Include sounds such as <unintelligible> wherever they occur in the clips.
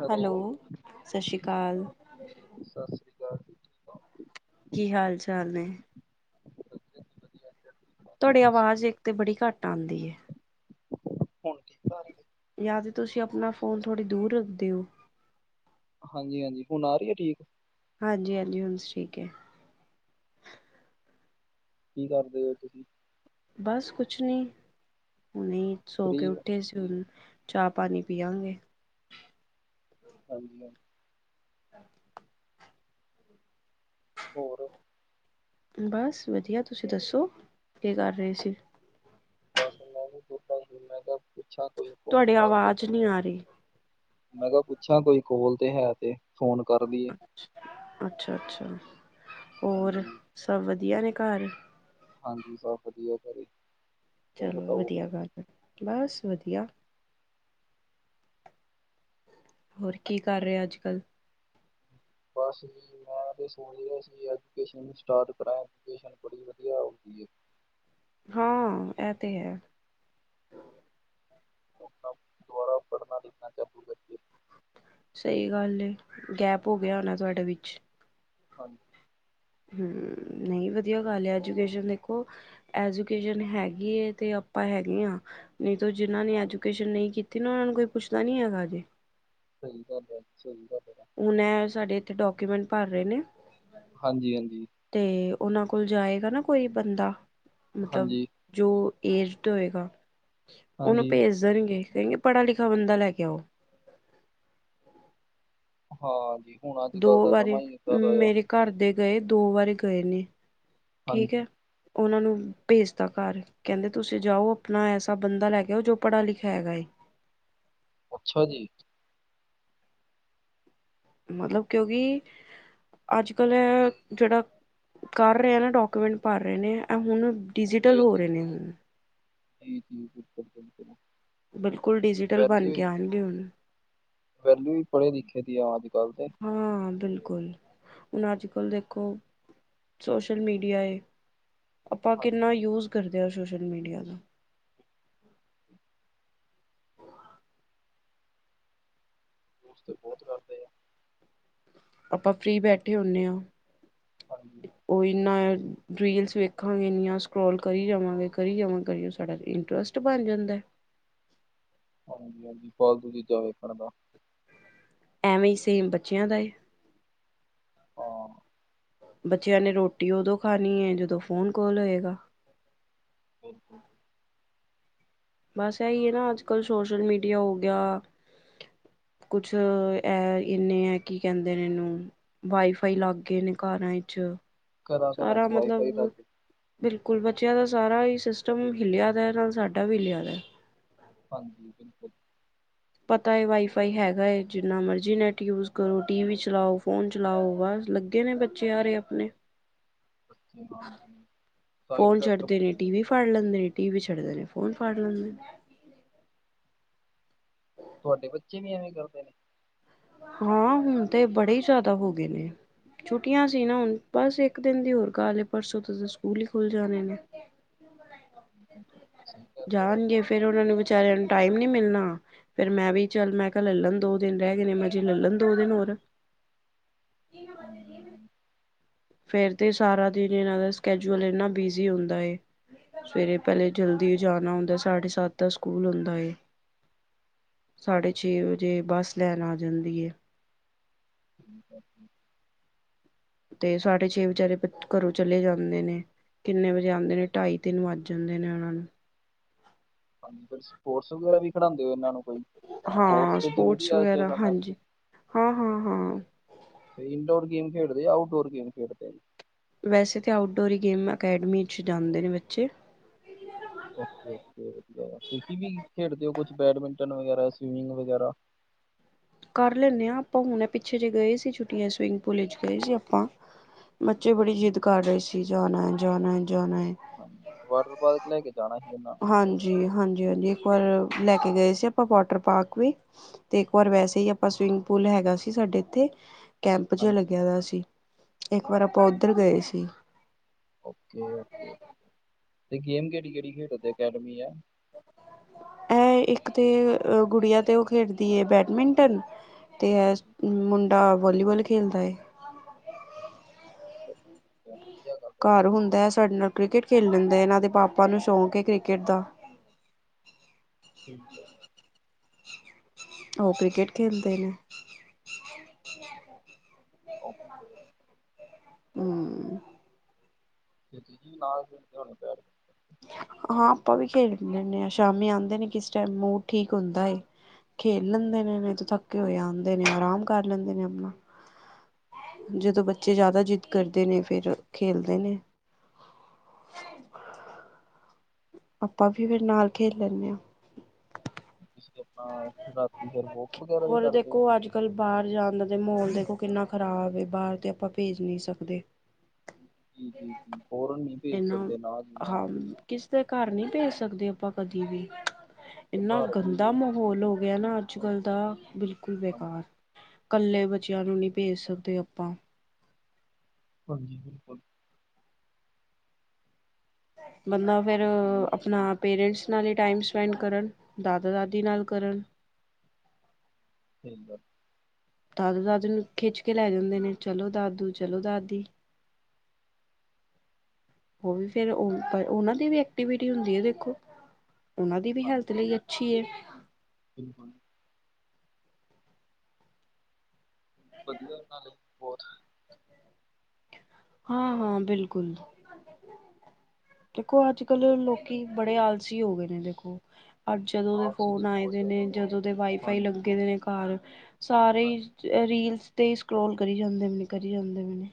Hello ਸਤਿ ਸ਼੍ਰੀ ਅਕਾਲ ਸਤਿ ਸ਼੍ਰੀ ਅਕਾਲ। ਜੀ ਠੀਕ ਹੋ ਕੀ ਹਾਲ ਚਾਲ ਨੇ। ਤੁਹਾਡੀੇ ਆਵਾਜ਼ ਇੱਕ ਤੇ ਬੜੀ ਘੱਟ ਆਉਂਦੀ। ਹੁਣ ਠੀਕ ਆ ਰਹੀ। ਜਾਂ ਤਾਂ ਤੁਸੀਂ ਆਪਣਾ ਫੋਨ ਥੋੜ੍ਹੀ ਦੂਰ ਰੱਖਦੇ ਹੋ। ਹਾਂਜੀ ਹਾਂਜੀ ਹੁਣ ਆ ਰਹੀ ਹੈ ਠੀਕ। ਹਾਂਜੀ ਹਾਂਜੀ ਹੁਣ ਠੀਕ ਹੈ। ਕੀ ਕਰਦੇ ਹੋ ਤੁਸੀਂ। ਬਸ ਕੁਛ ਨੀ ਹੁਣੇ ਈ ਸੋ ਫ੍ਰੀ ਕੇ ਹੋ ਉੱਠੇ ਸੀ ਹੁ। ਚਾਹ ਪਾਣੀ ਪੀਆਂਗੇ। ਹਾਂਜੀ। ਅੱਛਾ। ਹੋਰ। ਬਸ ਵਧੀਆ ਤੁਸੀਂ ਦੱਸੋ ਕੀ ਕਰ ਰਹੇ ਸੀ। ਬਸ ਮੈਂ ਵੀ ਪੁਦਾ ਸੀ ਮੈਂ ਕਿਹਾ ਪੁਿੱਛਾ ਕੋਈ ਹੋਣ ਤੁਹਾਡੀ ਖ ਕੇ ਆਵਾਜ਼ ਨਹੀਂ ਬੈਠੇ। ਆ ਰਹੀ ਮੈਂ ਕਿਹਾ ਪੁੱਛਾਂ ਕੋਈ ਕੋਲ ਤੇ ਹੈ ਤੇ ਫੋਨ ਕਰ ਲਈਏ। ਅੱਛਾ ਅੱਛਾ ਹੋਰ ਹਾਂਜੀ ਸਭ ਵਧੀਆ ਨੇ ਘਰ। ਹਾਂਜੀ ਸਬ ਵਧੀਆ ਘਰੇ। ਤੁਮ ਚਲੋ ਬਤਾਓ ਵਧੀਆ ਗੱਲ ਹੈ ਬਸ ਵਧੀਆ। ਹੋਰ ਕੀ ਕਰ ਰਿਹਾ ਅੱਜ ਕੱਲ੍ਹ। ਬਸ ਮੈ ਤੇ ਸੋਚ ਰਯਾ ਸੀ ਐਜੂਕੇਸ਼ਨ ਸਟਾਰਟ ਕਰਾਂ ਬੜੀ ਵਧੀਆ ਹੋ ਗਈ ਹੈ। ਹਾਂ ਇ ਤੇ ਹੈ। ਣਾ ਦੁਆਰਾ ਪੜ੍ਹਨਾ ਲਿਖਣਾ ਕਰੀਏ ਸਹੀ ਗੱਲ ਏ ਗੈਪ ਹੋ ਗਿਆ ਹੋਣਾ ਤੁਹਾਡੇ ਵਿੱਚ। ਹਾਂਜੀ। ਹਮ ਨਹੀਂ ਵਧੀਆ ਗੱਲ ਹੈ ਐਜੂਕੇਸ਼ਨ ਦੇਖੋ। ਐਜੂਕੇਸ਼ਨ ਹੈਗੀ ਹੈ ਤੇ ਆਪਾਂ ਹੈਗੇ ਆ। ਨਹੀਂ ਤਾਂ ਜਿਨ੍ਹਾਂ ਨੇ ਹਾਂ ਐਜੂਕੇਸ਼ਨ ਨਹੀਂ ਕੀਤੀ ਨਾ ਉਹਨਾਂ ਨੂੰ ਕੋਈ ਪੁੱਛਦਾ ਨਹੀਂ ਹੈਗਾ ਜੇ। ਸਹੀਦਾ ਸਹੀਦਾ। ਹੁਣ ਐ ਸਾਡੇ ਇੱਥੇ ਡਾਕੂਮੈਂਟ ਭਰ ਰਹੇ ਨੇ। ਹਾਂਜੀ ਹਾਂਜੀ। ਤੇ ਉਹਨਾਂ ਕੋਲ ਜਾਏਗਾ ਨਾ ਕੋਈ ਬੰਦਾ ਮਤਲਬ। ਹਾਂਜੀ ਜੋ ਏਜਡ ਹੋਏਗਾ ਉਹਨੂੰ ਹਾਂਜੀ ਭੇਜ ਣਗੇ ਕਹਿੰਦੇ ਪੜਾ ਲਿਖਾ ਬੰਦਾ ਲੈ ਕੇ ਆਓ। ਹਾਂ ਹੋਣਾ ਚਾਹੀਦਾ ਅੱਜ ਦੋ ਕੱਲ੍ਹ ਵਾਰੀ ਸਮਾਂ ਹੀ ਇੱਦਾਂ ਦਾ ਆ। ਮੇਰੇ ਘਰ ਦੇ ਗਏ ਦੋ ਵਾਰੀ ਗਏ ਨੇ ਠੀਕ ਹਾਂਜੀ ਹੈ। ਉਹਨਾਂ ਨੂੰ ਭੇਜਤਾ ਘਰ। ਕਹਿੰਦੇ ਤੁਸੀਂ ਜਾਓ ਆਪਣਾ ਐਸਾ ਬੰਦਾ ਲੈ ਕੇ ਆਓ ਜੋ ਪੜ੍ਹਿਆ ਲਿਖਿਆ ਹੈਗਾ ਏ। ਅੱਛਾ ਜੀ। ਮਤਲਬ ਕਿਉਂਕਿ ਅੱਜ ਕੱਲ੍ਹ ਜਿਹੜਾ ਕਰ ਰਿਹਾ ਨਾ ਡਾਕੂਮੈਂਟ ਭਰ ਰਹੇ ਨੇ ਐ ਹੁਣ। ਡਿਜੀਟਲ ਹੋ ਰਹੇ ਨੇ। ਨਹੀਂ। ਬਿਲਕੁਲ ਡਿਜੀਟਲ ਬਣ ਕੇ ਆਣਗੇ ਹੁਣ। ਵਹਿਲੂ ਵੀ ਪੜ੍ਹੇ ਲਿਖੇ ਦੀ ਆ ਅੱਜ ਕੱਲ੍ਹ ਦੇ। ਹਾਂ ਬਿਲਕੁਲ ਹੁਣ ਅੱਜ ਕੱਲ ਦੇਖੋ। ਸੋਸ਼ਲ ਮੀਡੀਆ ਏ ਆਪਾਂ ਹਾਂਜੀ ਕਿੰਨਾ ਯੂਜ ਕਰਦੇ ਹਾਂ ਸੋਸ਼ਲ ਮੀਡੀਆ ਦਾ। ਉਸ ਤੇ ਬਹੁਤ ਕਰਦੇ ਆ। ਆਪਾਂ ਫਰੀ ਬੈਠੇ ਹੋਣੇ ਹਾਂ। ਹਾਂਜੀ। ਉਹ ਇੰਨਾਂ ਰੀਲਸ ਵੇਖਾਂਗੇ ਇੰਨੀਆਂ ਸਕਰੋਲ ਕਰੀ ਜਾਵਾਂਗੇ ਕਰੀ ਜਾਵਾਂ ਕਰ ਸਾਡਾ ਇੰਟਰਸਟ। ਬਣ ਜਾਂਦਾ। ਹਾਂਜੀ ਹਾਂਜੀ ਫਾਲਤੂ ਚੀਜ਼ਾਂ ਵੇਖਣ ਦਾ। ਐਵੇਂ ਹੀ ਸੇਮ ਬੱਚਿਆਂ ਦਾ ਏ। ਹਾਂ। ਬੱਚਿਆਂ ਨੇ ਰੋਟੀ ਉਦੋਂ ਖਾਣੀ ਏ ਜਦੋਂ ਫੋਨ ਕੋਲ ਹੋਏਗਾ। <unintelligible> ਬਸ ਐਈ ਏ ਨਾ ਅੱਜ ਕੱਲ੍ਹ ਸੋਸ਼ਲ ਮੀਡੀਆ ਹੋ ਗਿਆ। ਕੁਛ ਐ ਇੰਨੇ ਐ ਕੀ ਕੈਂਦੇ ਨੇ ਇਨੂੰ ਵਾਈਫਾਈ ਲੱਗ ਗਏ ਨੇ ਘਰਾਂ ਚ ਘਰਾਂ ਘਰਾਂ ਸਾਰਾ ਚ ਵਾਈਫਾਈ ਮਤਲਬ ਲੱਗ ਗਈ ਬਿਲਕੁਲ ਬੱਚਿਆਂ ਦਾ ਸਾਰਾ ਈ ਸਿਸਟਮ ਹਿੱਲਿਆ ਦਾ ਨਾਲ ਸਾਡਾ ਵੀ ਹਿੱਲਿਆ ਦਾ। ਹਾਂਜੀ, ਬਿਲਕੁਲ। ਪਤਾ ਹੈ ਵਾਈਫਾਈ ਹੈਗਾ ਏ ਜਿੰਨਾ ਮਰਜ਼ੀ ਨੈੱਟ ਯੂਜ ਕਰੋ ਟੀ ਵੀ ਚਲਾਓ, ਫੋਨ ਚਲਾਓ ਬਸ ਲ ਗੇ ਨੇ ਬੱਚੇ ਆ ਰੲਏ ਅਪਣੇ। ਸਾਈਡ ਫੋਨ ਇਫੈਕਟ ਛੱਡਦੇ ਨੇ ਟੀ ਵੀ ਫੜ ਲੈਂਦੇ ਨੇ, ਟੀ ਵੀ ਛੱਡਦੇ ਨੇ, ਫੋਨ ਫੜ ਲੈਂਦੇ ਨੇ। <inaudible> ਤੁਆਡੇ ਬੱਚੇ ਵੀ ਐਵੇਂ ਕਰਦੇ ਨੇ। ਹਾਂ, ਹੁਣ ਤੇ ਬੜੇ ਈ ਜ਼ੈਦਾ ਹੋ ਗਏ ਨੇ। ਛੁੱਟੀਆਂ ਸੀ ਨਾ ਹੁਣ ਬਸ ਇੱਕ ਦਿਨ ਦੀ ਹੋਰ ਗੱਲ ਏ ਪਰਸੋਂ ਤੇਤੇ ਸਕੂਲ ਈ ਖੁੱਲ ਜਾਣੇ ਨੇ। <inaudible> ਜਾਣਗੇ ਫੇਰ ਉਨਾਂ ਨੂੰ ਵਿਚਾਰਿਆਂ ਨੂੰ ਟਾਈਮ ਨੀ ਮਿਲਣਾ। ਫੇਰ ਮੈਂ ਵੀ ਚੱਲ ਮੈਂ ਕਿਆ ਲੈ ਲੈਣ ਦੋ ਦਿਨ ਰੈ ਗਏ ਨੇ ਮਜ਼ੇ ਲੈ ਲਣ ਦੋ ਦਿਨ ਹੋਰ। <inaudible> ਫਿਰ ਤੇ ਸਾਰਾ ਦਿਨ ਇਨਾਂ ਦਾ ਸਕੈਜੁਅਲ ਇਨਾ ਬਿਜੀ ਹੁੰਦਾ ਏ। ਸਵੇਰੇ ਪੈਲੇ ਜਲਦੀ ਜਾਣਾ ਹੁੰਦਾ ਸਾਡੇ ਸੱਤ ਦਾ ਸਕੂਲ ਹੁੰਦਾ ਏ। <inaudible> ਸਾਢੇ ਛੇ ਵਜੇ ਬੱਸ ਲੈਣ ਆ ਜਾਂਦੀ ਏ। <inaudible> ਤੇ ਸਾਢੇ ਛੇ ਵਿਚਾਰੇ ਬੱਚ ਘਰੋਂ ਚਲੇ ਜਾਂਦੇ ਨੇ। ਕਿੰਨੇ ਵਜੇ ਆਂਦੇ ਨੇ ਢਾਈ-ਤਿੰਨ ਵੱਜ ਜਾਂਦੇ ਨੇ ਉਨਾਂ ਨੂੰ। ਹਾਂਜੀ, ਫਿਰ ਸਪੋਰਟਸ ਵਗੈਰਾ ਵੀ ਖਡਾਂਦੇ ਓ ਇਨਾਂ ਨੂੰ ਕੋਈ। ਹਾਂ, ਤਾਂ ਜ਼ਰੂਰੀ ਸਪੋਰਟਸ ਆ ਅੱਜ ਦੇ ਵਗੈਰਾ ਸਮੇਂ ਹਾਂਜੀ ਹਾਂ-ਹਾਂ-ਹਾਂ। ਇਨਡੋਰ ਗੇਮ ਖੇਡਦੇ, ਆਊਟਡੋਰ ਗੇਮ ਖੇਡਦੇ ਨੇ। ਵੈਸੇ ਤਾਂ ਆਊਟਡੋਰ ਈ ਗੇਮ ਅਕੈਡਮੀ ਚ ਜਾਂਦੇ ਨੇ ਬੱਚੇ। ਓਕੇ-ਓਕੇ ਵਦੀਆ ਆ, ਤੁਸੀਂ ਵੀ ਖੇਡਦੇ ਓ ਕੁਛ ਬੈਡਮਿੰਟਨ ਵਗੈਰਾ, ਸਵੀਮਿੰਗ ਵਗੈਰਾ। ਕਰ ਲੈਨੇ ਆ ਆਪਾਂ ਹੁਣ ਪਿੱਛੇ ਜੇ ਗਏ ਸੀ ਛੁੱਟੀਆਂ ਚ ਸਵੀਮਿੰਗ ਪੂਲ ਚ ਗਏ ਸੀ ਆਪਾਂ। ਬੱਚੇ ਬੜੀ ਓਕੇ ਜਿੱਦ ਓਕੇ ਕਰ ਰਏ ਸੀ ਜਾਣਾ ਐ, ਜਾਣਾ ਐ ਜਾਣਾ ਐ। ਹਾਂਜੀ, ਵਾਟਰ ਪਾਰਕ ਲੈ ਕੇ ਜਾਣਾ ਹੀ ਉਨਾ। ਹਾਂਜੀ, ਹਾਂਜੀ-ਹਾਂਜੀ ਇੱਕ ਵਾਰ ਲੈ ਕੇ ਗਏ ਸੀ ਆਪਾਂ ਵਾਟਰ ਪਾਰਕ ਵੀ ਤੇ ਇੱਕ ਵਾਰ ਵੈਸੇ ਈ ਆਪਾਂ ਸਵਿਮਿੰਗ ਪੂਲ ਹੈਗਾ ਸੀ ਸਾਡੇ ਇੱਥੇ ਕੈਂਪ ਜ ਹਾਂਜੀ ਲੱਗਿਆ ਦਾ ਸੀ ਇੱਕ ਵਾਰ ਆਪਾਂ ਉੱਧਰ ਗਏ ਸੀ। ਓਕੇ-ਓਕੇ ਤੇ ਗੇਮ ਕੇੜੀ -ਕੇੜੀ ਖੇਡਦੇ ਅਕੈਡਮੀ ਆ। ਐ ਇੱਕ ਤੇ ਗੁੜੀਆਂ ਤੇ ਓ ਖੇਡਦੀ ਏ ਬੈਡਮਿੰਟਨ ਤੇ ਐ ਹਾਂਜੀ ਮੁੰਡਾ ਵਾਲੀਵਾਲ ਖੇਲਦਾ ਏ। <inaudible> ਘਰ ਹੁੰਦਾ ਵਧੀਆ। ਐ ਸਾਡੇ ਨਾਲ ਕ੍ਰਿਕੇਟ ਖੇਡ ਲੈਂਦਾ, ਇਨਾਂ ਦੇ ਪਾਪਾ ਨੂੰ ਸ਼ੌਂਕ ਐ ਕ੍ਰਿਕੇਟ ਦਾ। ਠੀਕ ਐ। ਓ ਕ੍ਰਿਕੇਟ ਖੇਲਦੇ ਨੇ। ਓਕੇ। ਹੂੰ। <unintelligible> ਹਾਂ, ਆਪਾਂ ਵੀ ਖੇਡ ਲੈਂਦੇ ਆ, ਸ਼ਾਮੀ ਆਂਦੇ ਨੇ ਕਿਸ ਟਾਈਮ ਮੂਡ ਠੀਕ ਹੁੰਦਾ ਏ ਖੇਲ ਲੈਂਦੇ ਨੇ, ਨਈ ਤੇ ਥੱਕੇ ਹੋਏ ਆਂਦੇ ਨੇ ਆਰਾਮ ਕਰ ਲੈਂਦੇ ਨੇ ਆਪਣਾ। ਜਦੋਂ ਬੱਚੇ ਜ਼ੈਦਾ ਜਿੱਦ ਕਰਦੇ ਨੇ ਫੇਰ ਖੇਲਦੇ ਨੇ। ਆਪਾਂ ਵੀ ਫਿਰ ਨਾਲ ਖੇਲ ਲੈਨੇ ਆ। ਤੁਸੀਂ ਆਪਣਾ ਰਾਤੀ ਫੇਰ ਵੋਕ ਵਗੈਰਾ ਵੀ ਹੋਰ ਕਰਦੇ ਹੋ। ਦੇਖੋ ਅੱਜ ਕੱਲ ਬਾਹਰ ਜਾਣ ਦਾ ਤੇ ਮਾਹੋਲ ਦੇਖੋ ਕਿੰਨਾ ਖ਼ਰਾਬ ਹੈ ਬਾਹਰ ਤੇ ਆਪਾਂ ਭੇਜ ਨਹੀਂ ਸਕਦੇ। ਜੀ-ਜੀ ਜ ਫੋਰਨ ਨਹੀਂ ਭੇਜ ਸਕਦੇ ਨਾ ਜ ਨਾ ਜ। ਤੇ ਘਰ ਨਹੀਂ ਭੇਜ ਸਕਦੇ ਆਪਾਂ ਕਦੀ ਵੀ ਤੇ ਇੰਨਾ ਘਰ ਵੀ ਨਹੀਂ ਗੰਦਾ। ਭੇਜ ਸਕਦੇ ਵੁਲ ਹੋ ਗਿਆ ਨਾ ਅੱਜ ਕੱਲ ਦਾ ਬਿਲਕੁਲ ਹਨ ਬੇਕਾਰ। ਇਕੱਲੇ ਬੱਚਿਆਂ ਨੂੰ ਨਹੀਂ ਭੇਜ ਸਕਦੇ ਆਪਾਂ। ਹਾਂਜੀ ਬਿਲਕੁਲ। ਬੰਦਾ ਫਿਰ ਆਪਣਾ ਪੇਰੈਂਟਸ ਨਾਲ ਹੀ ਟਾਈਮ ਸਪੈਂਡ ਕਰਨ ਦਾਦਾ ਦਾਦੀ ਨਾਲ ਕਰਨ। ਠੀਕ ਆ। ਦਾਦੂ-ਦਾਦੀ ਨੂੰ ਖਿੱਚ ਕੇ ਲੈ ਜਾਂਦੇ ਨੇ ਚਲੋ ਦਾਦੂ ਚਲੋ ਦਾਦੀ। ਉਹ ਵੀ ਫਿਰ ਉਹਨਾਂ ਦੀ ਵੀ ਐਕਟੀਵਿਟੀ ਹੁੰਦੀ ਹੈ ਦੇਖੋ। ਉਹਨਾਂ ਦੀ ਵੀ ਹਾਂਜੀ ਹੈਲਥ ਲਈ ਅੱਛੀ ਹੈ। ਬਿਲਕੁਲ। ਵਧੀਆ ਨਾਲੇ ਬਹੁਤ। ਹਾਂ-ਹਾਂ ਬਿਲਕੁਲ। ਦੇਖੋ ਅੱਜ ਕੱਲ ਲੋਕੀ ਬੜੇ ਆਲਸੀ ਹੋ ਗਏ ਨੇ ਦੇਖੋ। ਪਰ ਜਦੋਂ ਦੇ ਆਪਸੀ ਫੋਨ ਆਏ ਬਹੁਤ ਦੇ ਨੇ ਜ਼ਿਆਦਾ ਜਦੋਂ ਦੇ ਵਾਈਫਾਈ ਹਾਂਜੀ ਲੱਗੇ ਦੇ ਨੇ ਘਰ। ਸਾਰੇ ਹਾਂਜੀ ਹੀ ਰੀਲਸ ਤੇ ਸਕਰੋਲ ਕਰੀ ਜਾਂਦੇ ਨੇ, ਕਰੀ ਜਾਂਦੇ ਨੇ।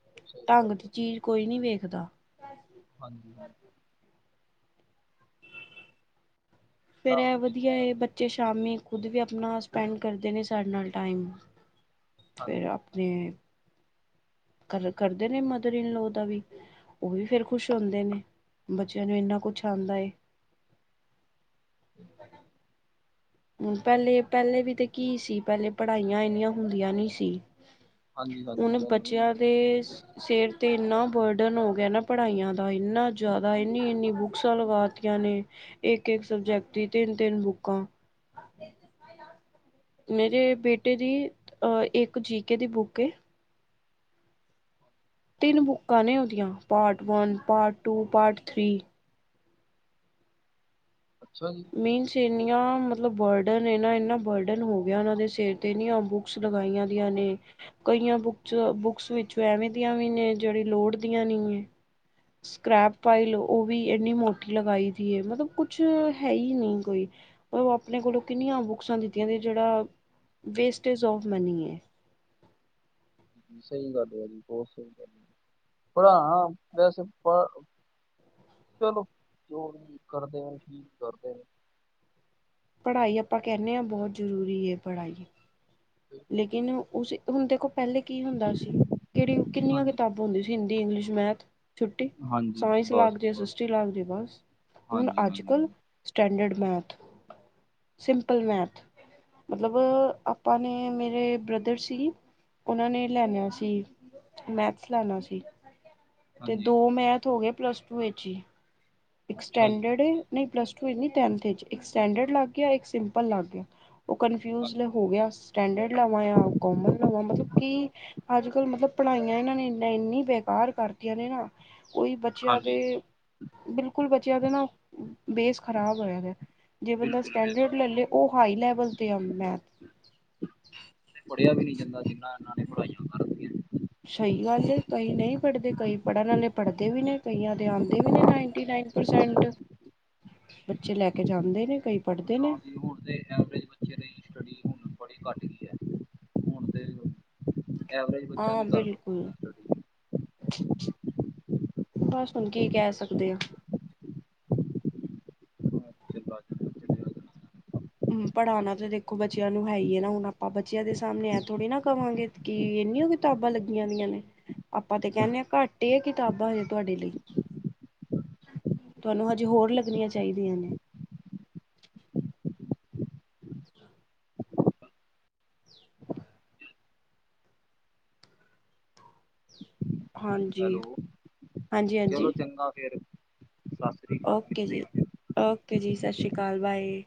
ਬਿਲਕੁਲ ਸਹੀ ਢੰਗ ਗੱਲ ਦੀ ਚੀਜ਼ ਕੋਈ ਨਹੀਂ ਵੇਖਦਾ। ਹਾਂਜੀ-ਹਾਂਜੀ। ਫਿਰ ਤਾਂ ਇਹ ਵਧੀਆ ਚੀਜ਼ਾਂ ਹੈ ਬੱਚੇ ਸ਼ਾਮੀ ਖੁਦ ਵੀ ਆਪਣਾ ਸਪੈਂਡ ਕਰਦੇ ਨੇ ਸਾਡੇ ਨਾਲ ਟਾਈਮ। ਫਿਰ ਹਾਂਜੀ ਆਪਣੇ। ਕਰ ਕਰਦੇ ਨੇ ਮਦਰ ਇਨ ਲਾ ਦਾ ਵੀ। ਉਹ ਵੀ ਫੇਰ ਖੁਸ਼ ਹੁੰਦੇ ਨੇ ਬੱਚਿਆਂ ਨੂੰ ਇੰਨਾ ਕੁਛ ਆਉਂਦਾ ਏ। ਹ ਪਹਿਲੇ ਪਹਿਲੇ ਵੀ ਤੇ ਕੀ ਸੀ ਪਹਿਲੇ ਪੜ੍ਹਾਈਆਂ ਇਨੀਆਂ ਹੁੰਦੀਆਂ ਨਹੀਂ ਸੀ। ਹਾਂਜੀ ਹਾਂਜੀ ਹੁਣ ਤੁਹਾਨੂੰ ਨਹੀਂ ਬੱਚਿਆਂ ਹੁੰਦੀਆਂ। ਦੇ। ਸਿਰ ਤੇ ਇੰਨਾ ਬਰਡਨ ਹੋ ਗਏ ਨਾ ਪੜ੍ਹਾਈਆਂ ਦਾ ਇੰਨਾ ਜਿਆਦਾ ਇਨੀ ਇਨੀ ਬੁਕਸਾ ਲਗਾ। ਨੇ ਇਕ ਇਕ ਸਬਜੈਕਟ ਦੀ ਤਿੰਨ ਤਿੰਨ ਬੁਕਾਂ। ਮੇਰੇ ਬੇਟੇ ਦੀ ਇੱਕ ਜੀਕੇ ਦੀ ਬੁੱਕ ਹ ਤਿੰਨ ਬੁੱਕਾਂ ਨੇ ਉਹਦੀਆਂ part one part two part three ਅੱਛਾ ਜੀ। ਮੀਨਸ ਏਨੀਆਂ ਮਤਲਬ ਬਰਡਨ ਏਨਾ-ਏਨਾ ਬਰਡਨ ਹੋ ਗਿਆ ਓਨਾਂ ਦੇ ਸਿਰ ਤੇ <unintelligible> <unintelligible> ਕਈਆਂ ਬੁੱਕਸ-ਬੁੱਕਸ ਵਿੱਚੋ ਐਵੇਂ ਦੀਆਂ ਵੀ ਨੇ ਜਿਹੜੀ ਲੋੜਦੀਆਂ ਨਹੀਂ ਹੈ। ਸਕ੍ਰੈਪ ਫਾਈਲ ਉਹ ਵੀ ਇੰਨੀ ਮੋਟੀ ਲਗਾਈ ਦੀ ਹੈ ਮਤਲਬ ਕੁਛ ਹੈ ਹੀ ਨਹੀਂ ਕੋਈ। ਉਹ ਆਪਣੇ ਕੋਲੋਂ ਕਿੰਨੀਆਂ ਬੁੱਕਸਾਂ ਦਿੱਤੀਆਂ ਜਿਹੜਾ ਵੇਸਟੇਜ ਆਫ ਮਨੀ ਹੈ। ਸਹੀ ਗੱਲ ਹੈ ਜੀ ਬਹੁਤ ਸਹੀ ਗਲ ਹੈ ਪੜ੍ਹਾਣਾ ਵੈਸੇ ਪ। ਚਲੋ ਜੋ ਵੀ ਕਰਦੇ ਨੇ ਠੀਕ ਕਰਦੇ ਨੇ। ਪੜ੍ਹਾਈ ਆਪਾਂ ਕਹਿੰਦੇ ਹਾਂ ਬਹੁਤ ਜ਼ਰੂਰੀ ਹੈ ਪੜ੍ਹਾਈ। ਬਿਲਕੁਲ ਲੇਕਿਨ ਉਸ ਹੁਣ ਦੇਖੋ ਪਹਿਲੇ ਕੀ ਹੁੰਦਾ ਸੀ ਕਿਹੜੀ ਕਿੰਨੀਆਂ ਹਾਂਜੀ ਕਿਤਾਬਾਂ। ਹੁੰਦੀ ਸੀ ਹਿੰਦੀ, ਇੰਗਲਿਸ਼, ਮੈਥ। ਛੁੱਟੀ ਹਾਂਜੀ ਸਾਇੰਸ ਬਸ ਲੱਗਦੀ ਆ ਏਸ ਬਸ ਏਸ ਟੀ ਲੱਗਦੀ ਬਸ ਹੁਣ ਹਾਂਜੀ ਅੱਜ ਹਾਂਜੀ ਕੱਲ। ਹਾਂਜੀ ਸਟੈਂਡਡ ਮੈਥ ਸਿੰਪਲ ਮੈਥ ਮਤਲਬ ਆਪਾਂ। ਨੇ ਮੇਰੇ ਬ੍ਰਦਰ ਸੀ ਉਹਨਾਂ ਨੇ ਲੈ ਣਾ ਸੀ। ਮੈਥਸ ਲੈਣਾ ਸੀ ਤੇ ਹਾਂਜੀ ਦੋ ਮੈਥ ਹੋ ਗਏ ਪਲਸ ਟੂ ਵਿੱਚ ਹੀ। ਇਕ ਅੱਛਾ ਜੀ ਸਟੈਂਡਰਡ ਨਹੀਂ ਪਲਸ ਟੂ ਇਚ ਨੀ ਟੈਂਥ ਇਚ ਇੱਕ ਸਟੈਂਡਰਡ ਲੱਗ ਗਿਆ ਇਕ ਸਿੰਪਲ ਲੱਗ ਗਿਆ। ਉਹ ਕਨਫਿਊਜ ਹਾਂਜੀ ਨੇ ਹੋ ਗਿਆ ਸਟੈਂਡਰਡ ਲਾਵਾਂ ਆ ਕੋਮਨ ਲਵਾ ਮਤਲਬ ਕਿ ਅੱਜਕਲ ਮਤਲਬ ਪੜਾਈਆਂ ਇਹਨਾਂ ਨੇ ਇਨਾ ਇਨੀ ਬੇ ਕਾਰ ਕਰ ਤੀਆ ਨੇ ਨਾ ਕੋਈ ਬੱਚਿਆਂ ਤੇ ਹਾਂਜੀ ਬਿਲਕੁਲ ਬਚਿਆ ਵੇ ਨਾ ਬੇਸ ਖਰਾਬ ਹੋਏ ਨੇ ਜੇ ਬੰਦਾ ਬਿਲਕੁਲ ਬਿਲਕੁਲ ਸਟੈਂਡਰਡ ਲੈ ਲੇ ਉਹ ਹਾਈ ਲੈਵਲ ਤੇ ਮੈਥ ਪੜਿਆ ਵੀ ਨਹੀਂ ਜਾਂਦਾ ਸੀ, ਨਾ ਇਹਨਾਂ ਨੇ ਪੜਾਈਆਂ ਕਰਨੀਆਂ ਸੀ। ਸਹੀ ਗੱਲ ਏ, ਕਈ ਨਹੀਂ ਪੜ੍ਹਦੇ, ਕਈ ਪੜ੍ਹਨ ਵਾਲੇ ਪੜ੍ਹਦੇ ਵੀ ਨੇ, ਕਈਆਂ ਦੇ ਆਂਦੇ ਵੀ ਨੇ ਨਾਈਨਟੀ ਨਾਈਨ ਪਰਸੈਂਟ। <unintelligible> ਬੱਚੇ ਲੈ ਕੇ ਜਾਂਦੇ ਨੇ ਕਈ। ਪੜ੍ਹਦੇ ਨਾ ਨੇ ਜੀ ਹੁਣ ਤੇ ਬੱਚੇ ਦੇ ਸਟੱਡੀ ਬੜੀ ਘੱਟ ਗਈ ਐ, ਹੁਣ ਤੇ ਐਵਰੇਜ ਬੱਚਿਆਂ ਹਾਂ ਦੀ ਤਰਫ ਬਿਲਕੁਲ ਬਸ ਹੁਣ ਕੀ ਕਹਿ ਸਕਦੇ ਆਂ। <inaudible> ਪੜਾਨਾ ਤਾਂ ਦੇਖੋ ਬੱਚਿਆਂ ਨੂੰ ਹੈ ਹੀ ਨਾ, ਹੁਣ ਆਪਾਂ ਬੱਚਿਆ ਦੇ ਸਾਹਮਣੇ ਆ ਥੋੜੀ ਨਾ ਕਵਾਂਗੇ। ਕੀ ਐਨੀਆਂ ਕਿਤਾਬਾਂ ਲੱਗੀਆਂ ਦੀਆਂ ਨੇ। ਆਪਾਂ ਤੇ ਕਹਿੰਦੇ ਆ, ਘੱਟ ਹੀ ਕਿਤਾਬਾਂ ਤੇ ਤੁਹਾਡੇ ਲਈ। ਤੁਹਾਨੂੰ ਹਜੇ ਹੋਰ ਲੱਗਣੀਆਂ ਚਾਹੀਦੀਆਂ ਨੇ। ਹਾਂਜੀ ਹੈਲੋ, ਹਾਂਜੀ ਚਲੋ ਹਾਂਜੀ ਚੰਗਾ ਫੇਰ ਸਸ ਓਕੇ ਜੀ, ਓਕੇ ਜੀ, ਸਸ਼ ਰੀ ਕਾਲ ਬਾਏ।